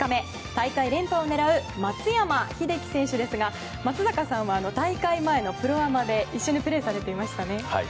大会連覇を狙う松山英樹選手ですが松坂さんは大会前のプロアマで一緒にプレーされていましたね。